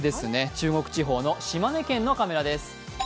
中国地方の島根県のカメラです。